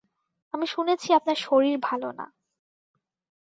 আমি শুনেছি আপনার শরীর ভাল না।